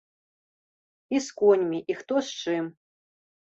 І з коньмі, і хто з чым.